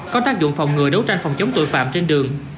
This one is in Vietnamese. có tác dụng phòng ngừa đấu tranh phòng chống tội phạm trên đường